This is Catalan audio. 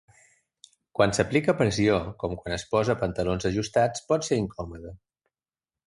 Quan s'aplica pressió, com quan es posa pantalons ajustats, pot ser incòmode.